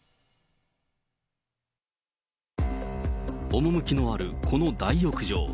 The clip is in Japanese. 趣きのあるこの大浴場。